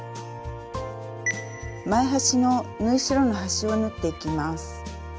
前端の縫い代の端を縫っていきます。